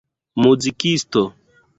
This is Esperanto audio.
muzikisto